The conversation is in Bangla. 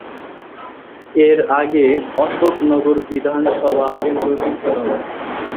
এর আগে অশোকনগর বিধানসভা কেন্দ্রটি ছিল না।